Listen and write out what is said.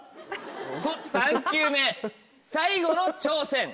３球目最後の挑戦。